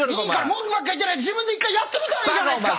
文句言ってないで自分で１回やってみたらいいじゃないですか。